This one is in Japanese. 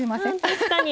確かに。